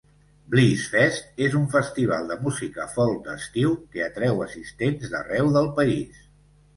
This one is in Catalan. Blissfest és un festival de música folk d'estiu que atreu assistents d'arreu del país.